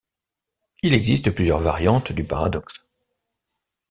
Il existe plusieurs variantes du paradoxe.